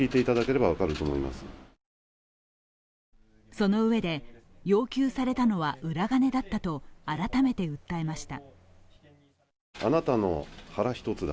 そのうえで、要求されたのは裏金だったと改めて訴えました。